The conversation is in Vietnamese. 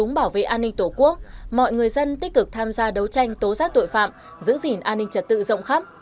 trong bảo vệ an ninh tổ quốc mọi người dân tích cực tham gia đấu tranh tố giác tội phạm giữ gìn an ninh trật tự rộng khắp